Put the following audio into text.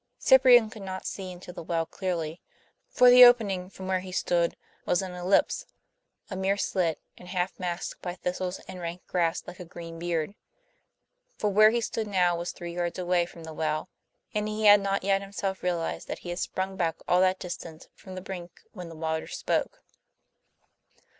Cyprian could not see into the well clearly, for the opening, from where he stood, was an ellipse, a mere slit, and half masked by thistles and rank grass like a green beard. For where he stood now was three yards away from the well, and he had not yet himself realized that he had sprung back all that distance from the brink when the water spoke.